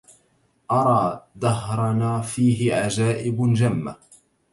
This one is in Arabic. أرى دهرنا فيه عجائب جمة